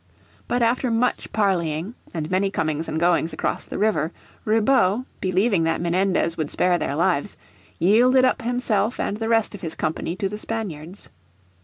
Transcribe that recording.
But after much parleying, and many comings and goings across the river, Ribaut, believing that Menendez would spare their lives, yielded up himself and the rest of his company to the Spaniards.